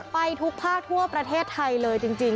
ไปทุกภาคทั่วประเทศไทยเลยจริง